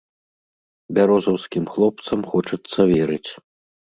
Бярозаўскім хлопцам хочацца верыць.